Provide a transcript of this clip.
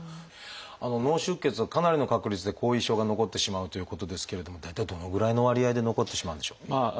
脳出血はかなりの確率で後遺症が残ってしまうということですけれども大体どのぐらいの割合で残ってしまうんでしょう？